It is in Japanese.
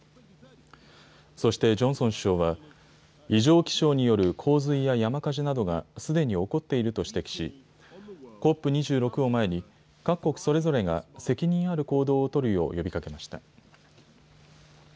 そしてジョンソン首相は異常気象による洪水や山火事などがすでに起こっていると指摘しＣＯＰ２６を前に各国それぞれが責任ある行動を取るよう呼びかけました。